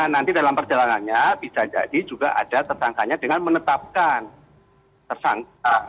nanti dalam perjalanannya bisa jadi juga ada tersangkanya dengan menetapkan tersangka